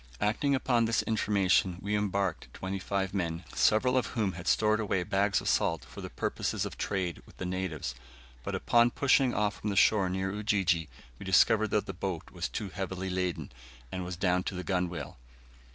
Acting upon this information, we embarked twenty five men, several of whom had stored away bags of salt for the purposes of trade with the natives; but upon pushing off from the shore near Ujiji, we discovered the boat was too heavily laden, and was down to the gunwale.